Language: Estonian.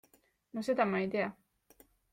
No seda ma ei tea!